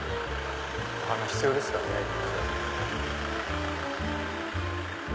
お花必要ですからね銀座。